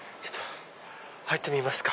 入ってみますか。